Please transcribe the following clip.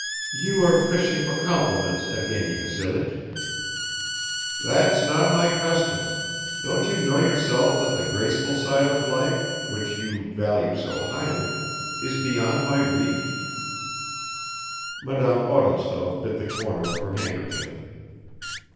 "You are fishing for compliments, Evgeny Vassilich." "That's not my custom. Don't you know yourself that the graceful side of life, which you value so highly, is beyond my reach?" Madame Odintsov bit the corner of her handkerchief.